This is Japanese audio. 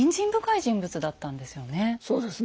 そうですね。